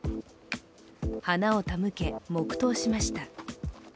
花を手向け、黙とうしました。